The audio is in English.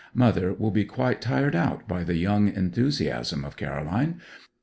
Mother will be quite tired out by the young enthusiasm of Caroline.